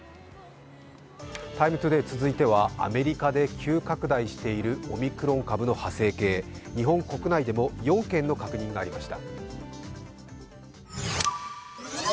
「ＴＩＭＥ，ＴＯＤＡＹ」続いてはアメリカで急拡大しているオミクロン株の派生型、日本国内でも４件の確認がありました。